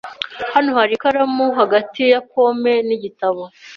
Hano hari ikaramu hagati ya pome nigitabo.